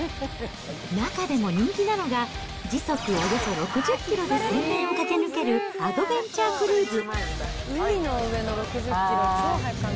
中でも人気なのが、時速およそ６０キロで水面を駆け抜けるアドベンチャークルーズ。